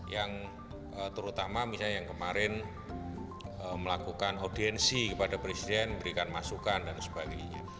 yang terutama misalnya yang kemarin melakukan audiensi kepada presiden memberikan masukan dan sebagainya